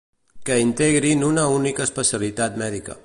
Que integrin una única especialitat mèdica.